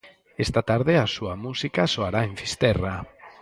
Esta tarde a súa música soará en Fisterra.